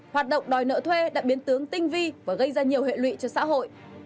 hoạt động đòi nợ thuê đã biến tướng tinh vi và gây ra nhiều hệ lụy cho xã hội